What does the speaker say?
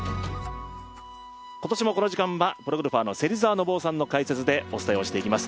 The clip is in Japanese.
今年もこの時間はプロゴルファーの芹澤信雄さんの解説でお伝えしていきます。